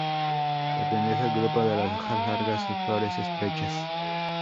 Pertenece al grupo de hojas largas y flores estrechas.